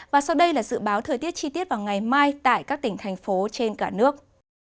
và sau đây là dự báo thời tiết chi tiết vào ngày mai tại các tỉnh thành phố trên cả nước